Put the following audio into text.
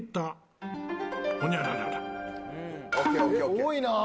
多いな。